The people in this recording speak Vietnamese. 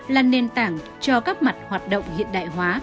là nền tảng cho các mặt hoạt động hiện đại hóa